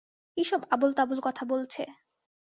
কী সব আবোল-তাবোল কথা বলছে।